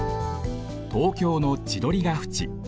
東京の千鳥ヶ淵。